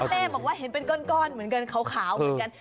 แม่บอกว่าเห็นเป็นก้อนเหมือนกันขาวเหมือนกัน